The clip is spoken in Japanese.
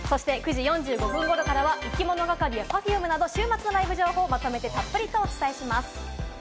９時４０分頃からは、いきものがかりやＰｅｒｆｕｍｅなど、週末のライブ情報をまとめてたっぷりお届けします。